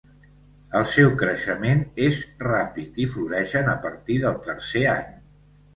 El seu creixement és ràpid i floreixen a partir del tercer any.